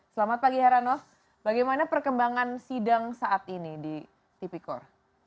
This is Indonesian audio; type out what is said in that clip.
selamat pagi heranov bagaimana perkembangan sidang saat ini di tipikor